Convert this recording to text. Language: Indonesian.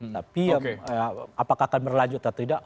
tapi apakah akan berlanjut atau tidak